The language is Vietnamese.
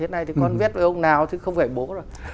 nay thì con viết với ông nào thì không phải bố rồi